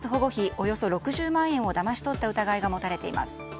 およそ６０万円をだまし取った疑いが持たれています。